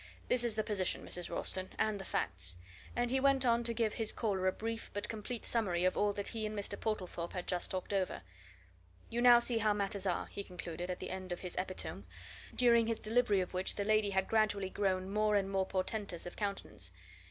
This is the position, Mrs. Ralston, and the facts" and he went on to give his caller a brief but complete summary of all that he and Mr. Portlethorpe had just talked over. "You now see how matters are," he concluded, at the end of his epitome, during his delivery of which the lady had gradually grown more and more portentous of countenance.